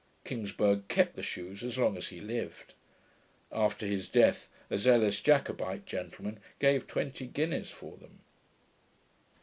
Kingsburgh kept the shoes as long as he lived. After his death, a zealous Jacobite gentleman gave twenty guineas for them.